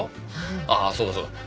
ああそうだそうだ！